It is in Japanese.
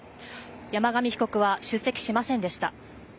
山上被告は出席しませんでした。